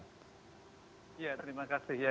ya terima kasih ya